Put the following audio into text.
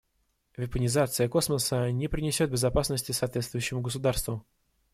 Вепонизация космоса не принесет безопасности соответствующему государству.